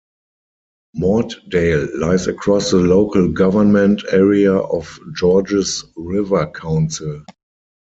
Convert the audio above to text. Mortdale lies across the local government area of Georges River Council.